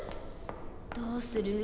どうする？